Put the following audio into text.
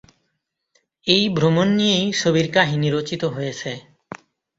এই ভ্রমণ নিয়েই ছবির কাহিনী রচিত হয়েছে।